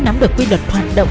nắm được quy luật hoạt động